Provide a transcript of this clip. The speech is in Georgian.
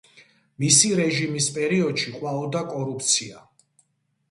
მისი რეჟიმის პერიოდში ყვაოდა კორუფცია.